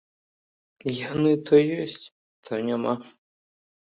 Яны то ёсць, то няма.